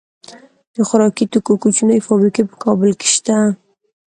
د خوراکي توکو کوچنۍ فابریکې په کابل کې شته.